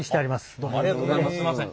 どうもありがとうございますすいません。